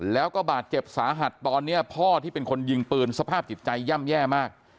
แล้วก็บาดเจ็บสาหัสตอนนี้พ่อที่เป็นคนยิงปืนสภาพจิตใจย่ำแย่มาก